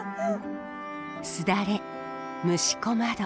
すだれ虫籠窓。